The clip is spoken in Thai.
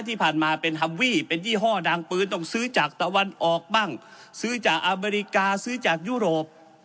ที่ผ่านมาเป็นฮัมวี่เป็นยี่ห้อดังปืนต้องซื้อจากตะวันออกบ้างซื้อจากอเมริกาซื้อจากยุโรป